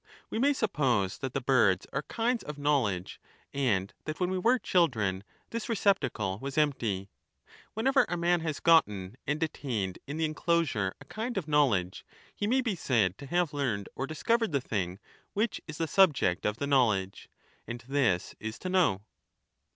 We may suppose that the birds are kinds of know Three ledge, and that when we were children, this receptacle was ^^^°^ empty ; whenever a man has gotten and detained in the sion :— enclosure a kind of knowledge, he may be said to have ^^V^^ learned or discovered the thing which is the subject of the ^^ure ; knowledge : and this is to know.